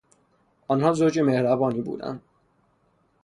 آنها زوج مهربانی بودند.